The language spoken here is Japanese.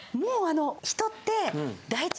人って。